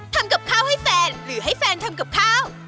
ทำกับข้าวให้แฟนหรือให้แฟนทำกับข้าว